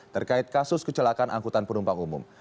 terkait kasus kecelakaan angkutan penumpang umum